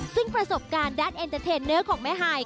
ซึ่งประสบการณ์ด้านเอ็นเตอร์เทนเนอร์ของแม่ฮาย